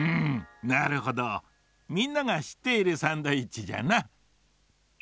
みんながしっているサンドイッチじゃな。